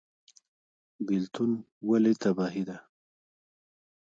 بیلتون ولې تباهي ده؟